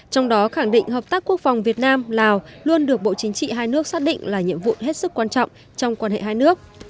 trong đó khẳng định hợp tác quốc phòng việt nam lào luôn được bộ chính trị hai nước xác định là nhiệm vụ hết sức quan trọng trong quan hệ hai nước